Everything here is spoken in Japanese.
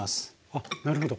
あっなるほど。